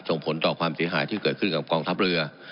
ส่งผลต่อความเสียหายที่เกิดขึ้นกับกองทัพเรือ